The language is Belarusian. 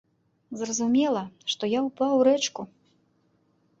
Зразумела, што я ўпаў у рэчку.